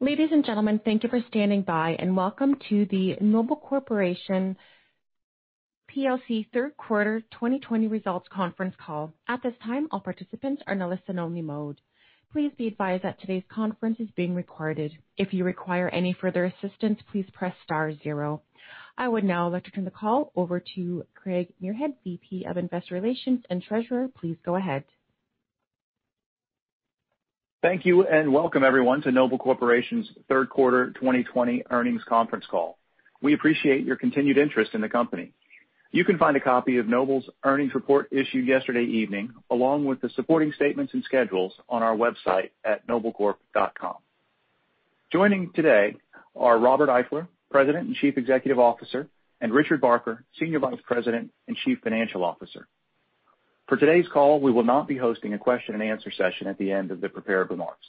Ladies and gentlemen, thank you for standing by, and welcome to the Noble Corporation plc Third Quarter 2020 Results Conference Call. At this time, all participants are in a listen-only mode. Please be advised that today's conference is being recorded. If you require any further assistance, please press star zero. I would now like to turn the call over to Craig Muirhead, VP of Investor Relations and Treasurer. Please go ahead. Thank you and welcome, everyone, to Noble Corporation's Third Quarter 2020 Earnings Conference Call. We appreciate your continued interest in the company. You can find a copy of Noble's earnings report issued yesterday evening, along with the supporting statements and schedules, on our website at noblecorp.com. Joining today are Robert Eifler, President and Chief Executive Officer, and Richard Barker, Senior Vice President and Chief Financial Officer. For today's call, we will not be hosting a question-and-answer session at the end of the prepared remarks.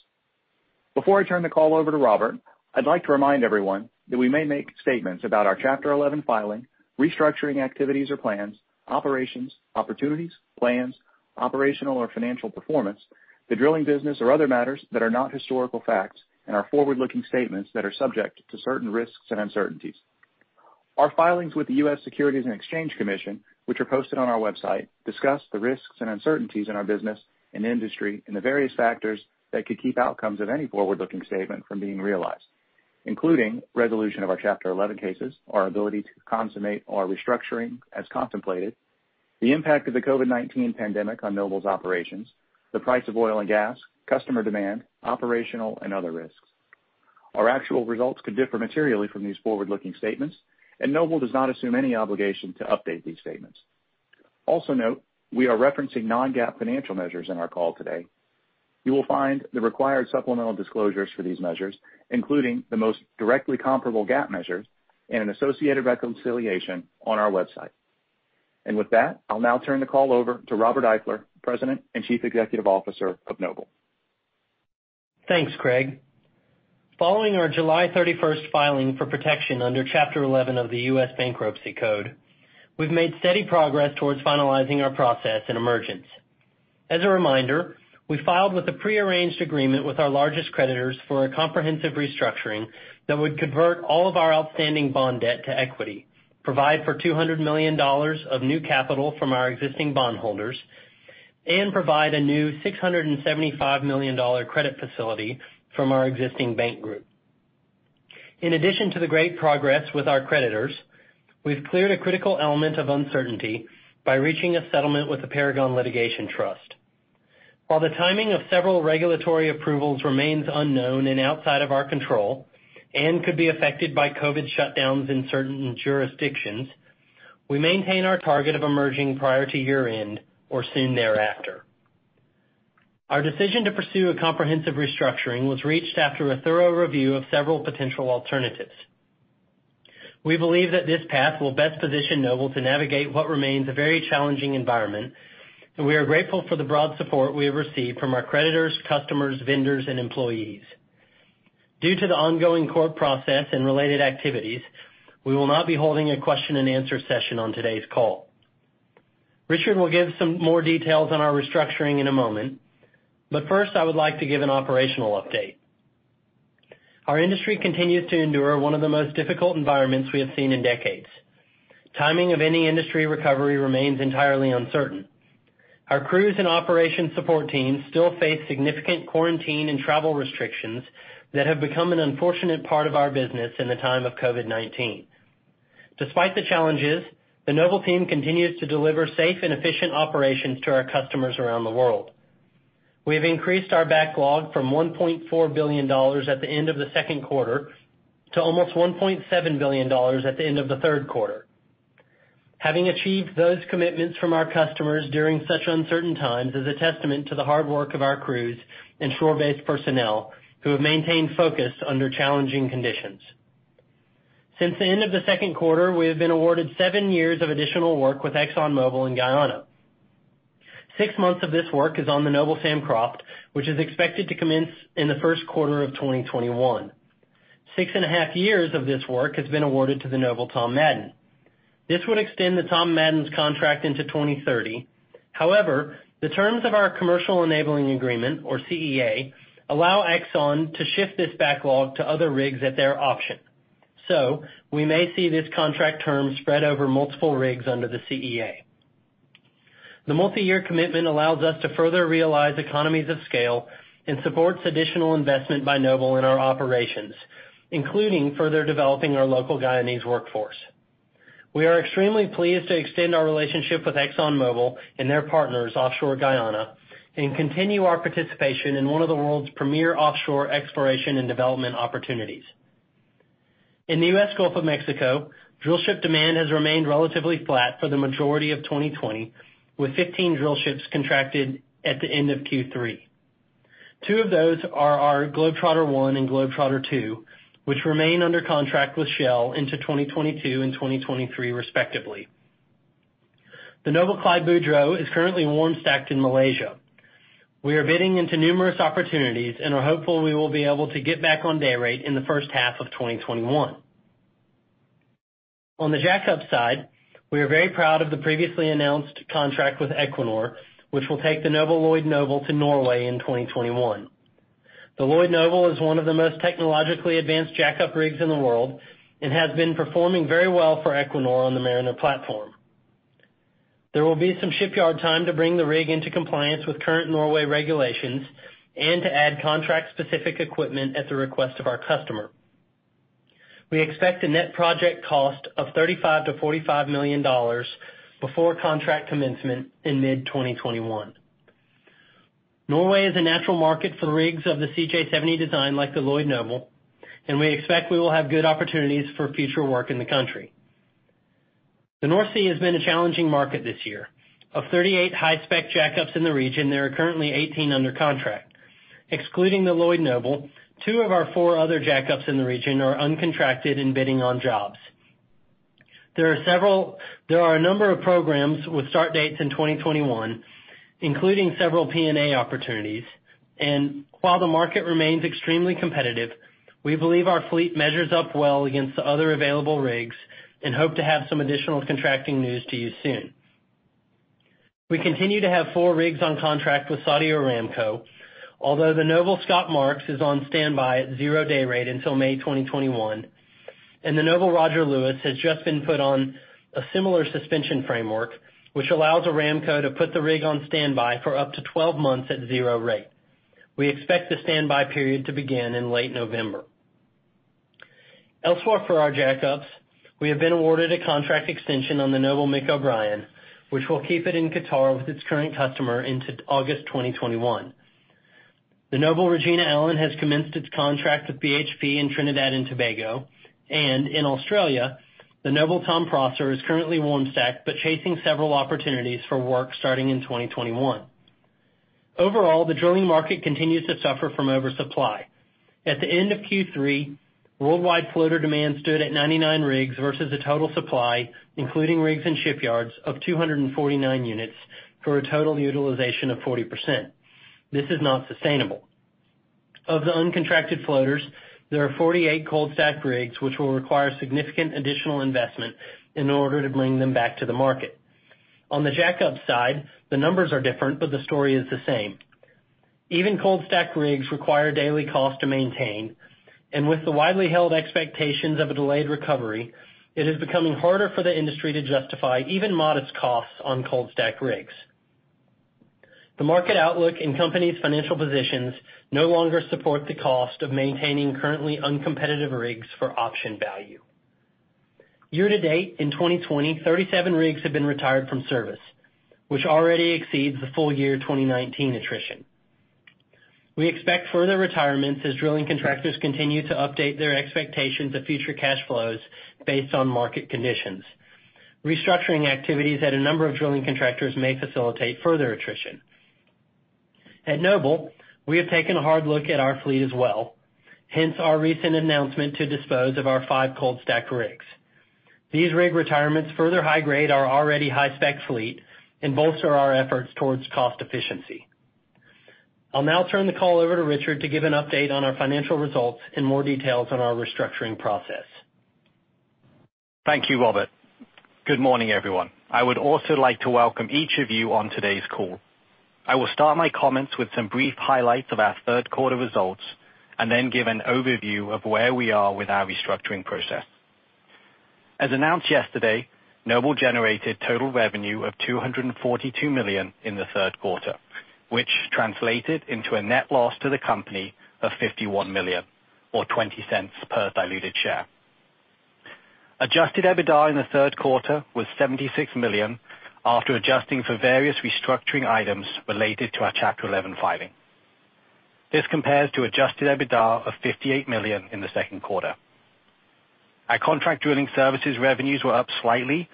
Before I turn the call over to Robert, I'd like to remind everyone that we may make statements about our Chapter 11 filing, restructuring activities or plans, operations, opportunities, plans, operational or financial performance, the drilling business, or other matters that are not historical facts and are forward-looking statements that are subject to certain risks and uncertainties. Our filings with the U.S. Securities and Exchange Commission, which are posted on our website, discuss the risks and uncertainties in our business and industry and the various factors that could keep outcomes of any forward-looking statement from being realized, including resolution of our Chapter 11 cases, our ability to consummate our restructuring as contemplated, the impact of the COVID-19 pandemic on Noble's operations, the price of oil and gas, customer demand, operational, and other risks. Our actual results could differ materially from these forward-looking statements, and Noble does not assume any obligation to update these statements. Also note, we are referencing non-GAAP financial measures in our call today. You will find the required supplemental disclosures for these measures, including the most directly comparable GAAP measures, and an associated reconciliation on our website. And with that, I'll now turn the call over to Robert Eifler, President and Chief Executive Officer of Noble. Thanks, Craig. Following our July 31st filing for protection under Chapter 11 of the U.S. Bankruptcy Code, we've made steady progress towards finalizing our process and emergence. As a reminder, we filed with a prearranged agreement with our largest creditors for a comprehensive restructuring that would convert all of our outstanding bond debt to equity, provide for $200 million of new capital from our existing bondholders, and provide a new $675 million credit facility from our existing bank group. In addition to the great progress with our creditors, we've cleared a critical element of uncertainty by reaching a settlement with the Paragon Litigation Trust. While the timing of several regulatory approvals remains unknown and outside of our control and could be affected by COVID shutdowns in certain jurisdictions, we maintain our target of emerging prior to year-end or soon thereafter. Our decision to pursue a comprehensive restructuring was reached after a thorough review of several potential alternatives. We believe that this path will best position Noble to navigate what remains a very challenging environment, and we are grateful for the broad support we have received from our creditors, customers, vendors, and employees. Due to the ongoing court process and related activities, we will not be holding a question-and-answer session on today's call. Richard will give some more details on our restructuring in a moment, but first, I would like to give an operational update. Our industry continues to endure one of the most difficult environments we have seen in decades. Timing of any industry recovery remains entirely uncertain. Our crews and operations support teams still face significant quarantine and travel restrictions that have become an unfortunate part of our business in the time of COVID-19. Despite the challenges, the Noble team continues to deliver safe and efficient operations to our customers around the world. We have increased our backlog from $1.4 billion at the end of the second quarter to almost $1.7 billion at the end of the third quarter. Having achieved those commitments from our customers during such uncertain times is a testament to the hard work of our crews and shore-based personnel who have maintained focus under challenging conditions. Since the end of the second quarter, we have been awarded seven years of additional work with ExxonMobil and Guyana. Six months of this work is on the Noble Sam Croft, which is expected to commence in the first quarter of 2021. Six and a half years of this work has been awarded to the Noble Tom Madden. This would extend the Tom Madden's contract into 2030. However, the terms of our Commercial Enabling Agreement, or CEA, allow Exxon to shift this backlog to other rigs at their option. So we may see this contract term spread over multiple rigs under the CEA. The multi-year commitment allows us to further realize economies of scale and supports additional investment by Noble in our operations, including further developing our local Guyanese workforce. We are extremely pleased to extend our relationship with ExxonMobil and their partners, offshore Guyana, and continue our participation in one of the world's premier offshore exploration and development opportunities. In the U.S. Gulf of Mexico, drillship demand has remained relatively flat for the majority of 2020, with 15 drillships contracted at the end of Q3. Two of those are our Globetrotter I and Globetrotter II, which remain under contract with Shell into 2022 and 2023, respectively. The Noble Clyde Boudreaux is currently warm-stacked in Malaysia. We are bidding into numerous opportunities and are hopeful we will be able to get back on day rate in the first half of 2021. On the jack-up side, we are very proud of the previously announced contract with Equinor, which will take the Noble Lloyd Noble to Norway in 2021. The Lloyd Noble is one of the most technologically advanced jack-up rigs in the world and has been performing very well for Equinor on the Mariner platform. There will be some shipyard time to bring the rig into compliance with current Norway regulations and to add contract-specific equipment at the request of our customer. We expect a net project cost of $35-$45 million before contract commencement in mid-2021. Norway is a natural market for the rigs of the CJ70 design like the Noble Lloyd Noble, and we expect we will have good opportunities for future work in the country. The North Sea has been a challenging market this year. Of 38 high-spec jack-ups in the region, there are currently 18 under contract. Excluding the Noble Lloyd Noble, two of our four other jack-ups in the region are uncontracted and bidding on jobs. There are a number of programs with start dates in 2021, including several P&A opportunities, and while the market remains extremely competitive, we believe our fleet measures up well against the other available rigs and hope to have some additional contracting news to you soon. We continue to have four rigs on contract with Saudi Aramco, although the Noble Scott Marks is on standby at zero day rate until May 2021, and the Noble Roger Lewis has just been put on a similar suspension framework, which allows Aramco to put the rig on standby for up to 12 months at zero rate. We expect the standby period to begin in late November. Elsewhere for our jack-ups, we have been awarded a contract extension on the Noble Mick O'Brien, which will keep it in Qatar with its current customer into August 2021. The Noble Regina Allen has commenced its contract with BHP in Trinidad and Tobago, and in Australia, the Noble Tom Prosser is currently warm-stacked but chasing several opportunities for work starting in 2021. Overall, the drilling market continues to suffer from oversupply. At the end of Q3, worldwide floater demand stood at 99 rigs versus a total supply, including rigs and shipyards, of 249 units for a total utilization of 40%. This is not sustainable. Of the uncontracted floaters, there are 48 cold-stacked rigs which will require significant additional investment in order to bring them back to the market. On the jack-up side, the numbers are different, but the story is the same. Even cold-stacked rigs require daily costs to maintain, and with the widely held expectations of a delayed recovery, it is becoming harder for the industry to justify even modest costs on cold-stacked rigs. The market outlook and companies' financial positions no longer support the cost of maintaining currently uncompetitive rigs for option value. Year-to-date, in 2020, 37 rigs have been retired from service, which already exceeds the full year 2019 attrition. We expect further retirements as drilling contractors continue to update their expectations of future cash flows based on market conditions. Restructuring activities at a number of drilling contractors may facilitate further attrition. At Noble, we have taken a hard look at our fleet as well, hence our recent announcement to dispose of our five cold-stacked rigs. These rig retirements further high-grade our already high-spec fleet and bolster our efforts towards cost efficiency. I'll now turn the call over to Richard to give an update on our financial results and more details on our restructuring process. Thank you, Robert. Good morning, everyone. I would also like to welcome each of you on today's call. I will start my comments with some brief highlights of our third quarter results and then give an overview of where we are with our restructuring process. As announced yesterday, Noble generated total revenue of $242 million in the third quarter, which translated into a net loss to the company of $51 million, or $0.20 per diluted share. Adjusted EBITDA in the third quarter was $76 million after adjusting for various restructuring items related to our Chapter 11 filing. This compares to adjusted EBITDA of $58 million in the second quarter. Our contract drilling services revenues were up slightly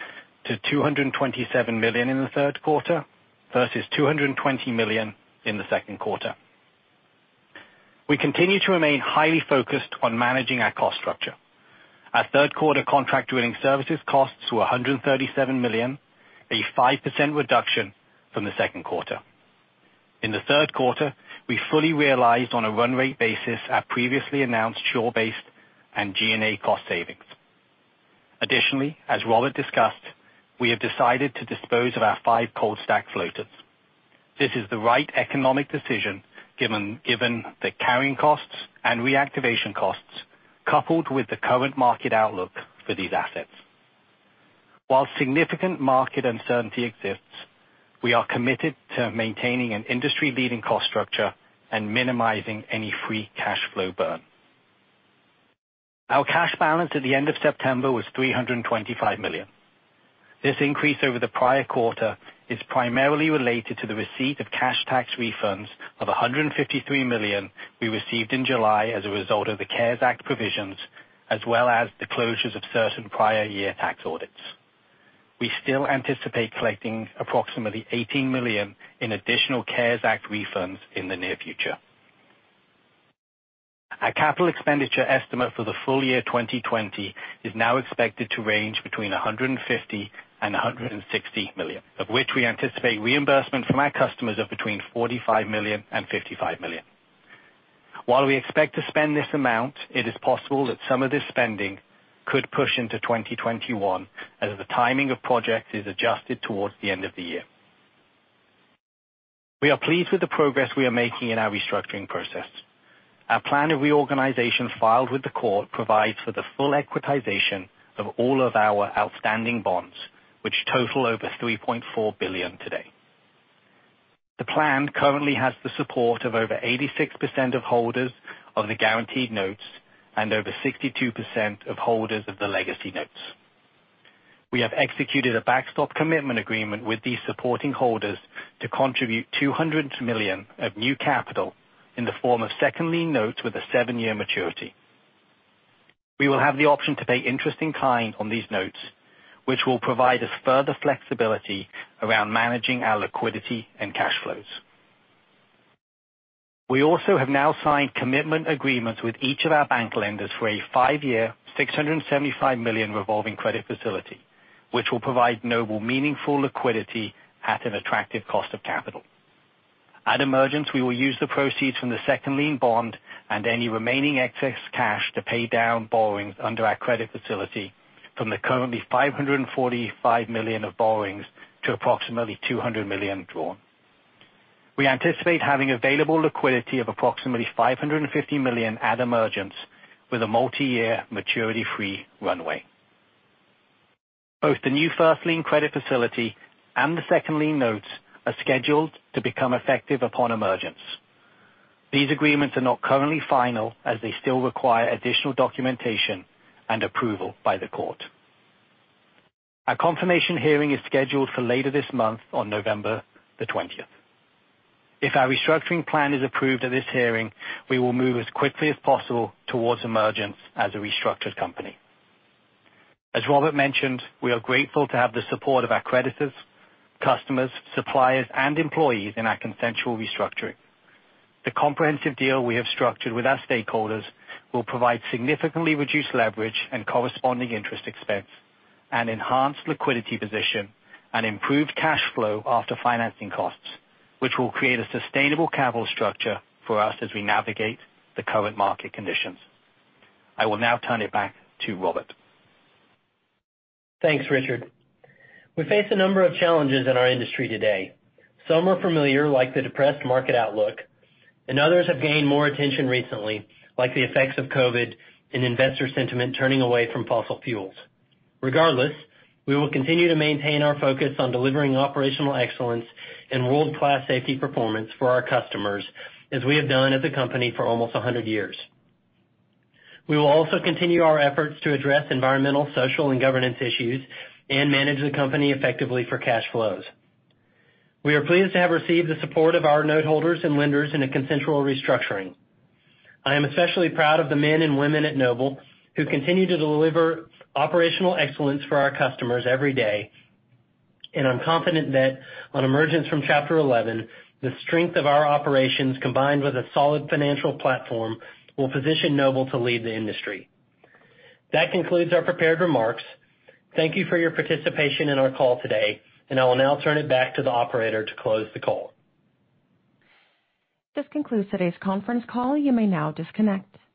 to $227 million in the third quarter versus $220 million in the second quarter. We continue to remain highly focused on managing our cost structure. Our third quarter contract drilling services costs were $137 million, a 5% reduction from the second quarter. In the third quarter, we fully realized on a run-rate basis our previously announced shore-based and G&A cost savings. Additionally, as Robert discussed, we have decided to dispose of our five cold-stacked floaters. This is the right economic decision given the carrying costs and reactivation costs coupled with the current market outlook for these assets. While significant market uncertainty exists, we are committed to maintaining an industry-leading cost structure and minimizing any free cash flow burn. Our cash balance at the end of September was $325 million. This increase over the prior quarter is primarily related to the receipt of cash tax refunds of $153 million we received in July as a result of the CARES Act provisions, as well as the closures of certain prior year tax audits. We still anticipate collecting approximately $18 million in additional CARES Act refunds in the near future. Our capital expenditure estimate for the full year 2020 is now expected to range between $150 million-$160 million, of which we anticipate reimbursement from our customers of between $45 million-$55 million. While we expect to spend this amount, it is possible that some of this spending could push into 2021 as the timing of projects is adjusted towards the end of the year. We are pleased with the progress we are making in our restructuring process. Our plan of reorganization filed with the court provides for the full equitization of all of our outstanding bonds, which total over $3.4 billion today. The plan currently has the support of over 86% of holders of the guaranteed notes and over 62% of holders of the legacy notes. We have executed a backstop commitment agreement with these supporting holders to contribute $200 million of new capital in the form of second-lien notes with a seven-year maturity. We will have the option to pay interest in kind on these notes, which will provide us further flexibility around managing our liquidity and cash flows. We also have now signed commitment agreements with each of our bank lenders for a five-year $675 million revolving credit facility, which will provide Noble meaningful liquidity at an attractive cost of capital. At emergence, we will use the proceeds from the second lien bond and any remaining excess cash to pay down borrowings under our credit facility from the currently $545 million of borrowings to approximately $200 million drawn. We anticipate having available liquidity of approximately $550 million at emergence with a multi-year maturity-free runway. Both the new first lien credit facility and the second lien notes are scheduled to become effective upon emergence. These agreements are not currently final as they still require additional documentation and approval by the court. A confirmation hearing is scheduled for later this month on November the 20th. If our restructuring plan is approved at this hearing, we will move as quickly as possible towards emergence as a restructured company. As Robert mentioned, we are grateful to have the support of our creditors, customers, suppliers, and employees in our consensual restructuring. The comprehensive deal we have structured with our stakeholders will provide significantly reduced leverage and corresponding interest expense, an enhanced liquidity position, and improved cash flow after financing costs, which will create a sustainable capital structure for us as we navigate the current market conditions. I will now turn it back to Robert. Thanks, Richard. We face a number of challenges in our industry today. Some are familiar, like the depressed market outlook, and others have gained more attention recently, like the effects of COVID and investor sentiment turning away from fossil fuels. Regardless, we will continue to maintain our focus on delivering operational excellence and world-class safety performance for our customers, as we have done as a company for almost 100 years. We will also continue our efforts to address environmental, social, and governance issues and manage the company effectively for cash flows. We are pleased to have received the support of our noteholders and lenders in a consensual restructuring. I am especially proud of the men and women at Noble who continue to deliver operational excellence for our customers every day, and I'm confident that on emergence from Chapter 11, the strength of our operations combined with a solid financial platform will position Noble to lead the industry. That concludes our prepared remarks. Thank you for your participation in our call today, and I will now turn it back to the operator to close the call. This concludes today's conference call. You may now disconnect.